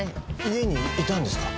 家にいたんですか？